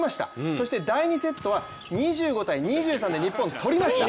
そして第２セットは、２５−２３で日本、とりました！